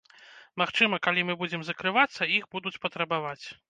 Магчыма, калі мы будзем закрывацца, іх будуць патрабаваць.